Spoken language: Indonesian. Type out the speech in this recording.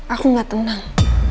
aku gak tenang